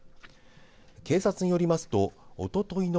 警察によりますとおとといの